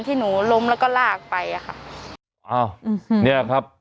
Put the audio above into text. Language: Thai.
ที่หนูล้มแล้วก็ลากไปอ่ะค่ะอ้าวอืมเนี้ยครับ